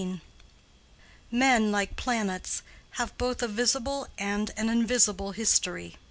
Men, like planets, have both a visible and an invisible history.